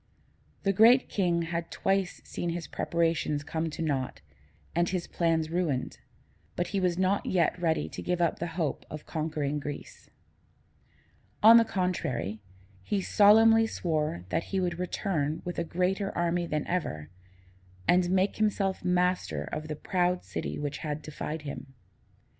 The Great King had twice seen his preparations come to naught and his plans ruined, but he was not yet ready to give up the hope of conquering Greece. On the contrary, he solemnly swore that he would return with a greater army than ever, and make himself master of the proud city which had defied him.